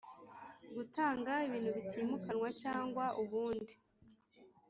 Gutanga ibintu bitimukanwa cyangwa ubundi